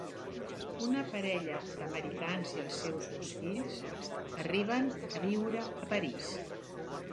Una parella d'americans i els seus dos fills arriben a viure a París.